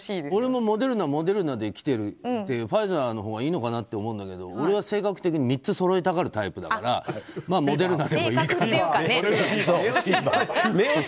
俺もモデルナ、モデルナってきてるからファイザーのほうがいいのかなと思うんだけど、俺は性格的に３つそろえたいタイプだからモデルナでもいいかなって。